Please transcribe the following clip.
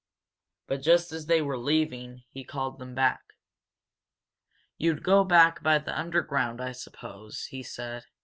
But just as they were leaving, he called them back. "You'd go back by the underground, I suppose," he said.